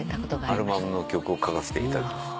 アルバムの曲を書かせていただきました。